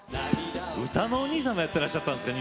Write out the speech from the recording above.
歌のお兄さんもやっていらっしゃったんですか。